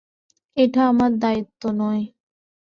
এটা আমাদের দায়িত্ব নয়।